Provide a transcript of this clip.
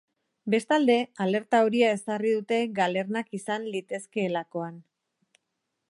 Bestalde, alerta horia ezarri dute galernak izan litezkeelakoan.